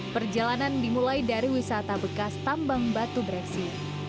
perjalanan dimulai dari wisata bekas tambang batu breksi